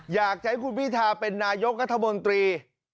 อยากจะให้คุณพิทาเป็นนายกรัฐมนตรี